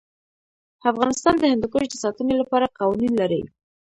افغانستان د هندوکش د ساتنې لپاره قوانین لري.